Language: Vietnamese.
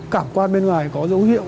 cả quán bên ngoài có dấu hiệu